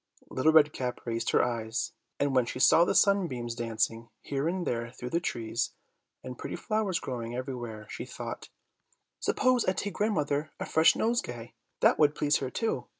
Little Red Cap raised her eyes, and when she saw the sunbeams dancing here and there through the trees, and pretty flowers growing everywhere, she thought, "Suppose I take grandmother a fresh nosegay; that would please her too.